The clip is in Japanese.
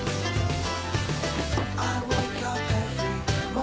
あ！